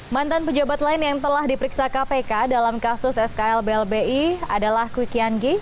mantan pejabat lain yang telah diperiksa kpk dalam kasus skl blbi adalah kwi kian g